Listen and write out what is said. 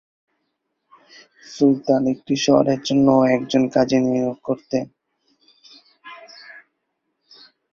সুলতান প্রতিটি শহরের জন্যও একজন কাজী নিয়োগ করতেন।